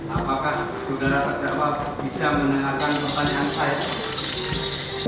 apakah saudara saudara bisa menaarkan pertanyaan saya